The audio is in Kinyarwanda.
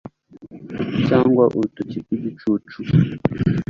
cyangwa urutoki rwigicucu